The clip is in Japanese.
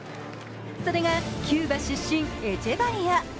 それがキューバ出身エチェバリア。